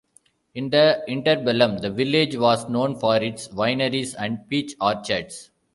In the interbellum, the village was known for its wineries and peach orchards.